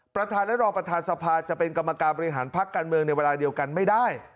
ประธานและรองประธานสภาจะเป็นกรรมการบริหารพักการเมืองในเวลาเดียวกันไม่ได้